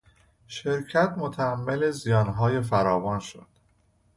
شرکت متحمل زیانهای فراوان شد.